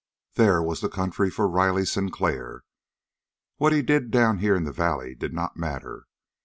There was the country for Riley Sinclair. What he did down here in the valleys did not matter.